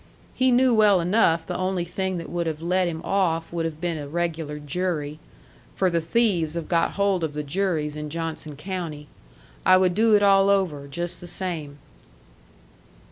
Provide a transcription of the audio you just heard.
He knew well enough the only thing that would have let him off would have been a regular jury. For the thieves have got hold of the juries in Johnson County. I would do it all over, just the same."